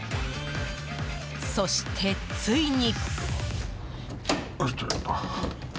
そしてついに。